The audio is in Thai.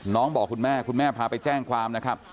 บอกคุณแม่คุณแม่พาไปแจ้งความนะครับ